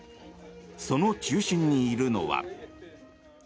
その中心にいるのは。